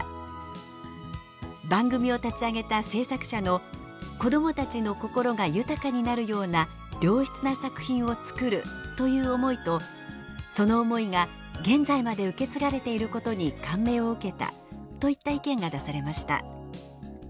「番組を立ち上げた制作者の『こどもたちの心が豊かになるような良質な作品を作る』という思いとその思いが現在まで受け継がれていることに感銘を受けた」といった意見が出されました。